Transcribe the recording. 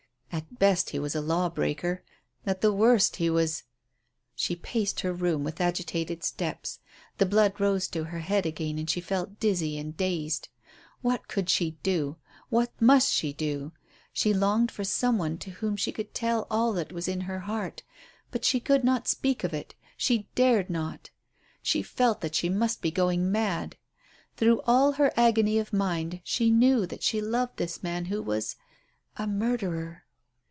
At best he was a law breaker; at the worst he was She paced her room with agitated steps. The blood rose to her head again, and she felt dizzy and dazed. What could she do? What must she do? She longed for some one to whom she could tell all that was in her heart, but she could not speak of it she dared not. She felt that she must be going mad. Through all her agony of mind she knew that she loved this man who was a murderer.